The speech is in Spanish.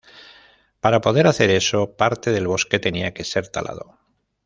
Para poder hacer eso, parte del bosque tenía que ser talado.